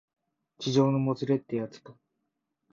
痴情のもつれってやつか